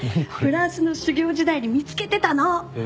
フランスの修業時代に見つけてたの！